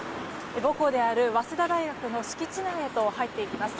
母校である早稲田大学の敷地内へと入っていきます。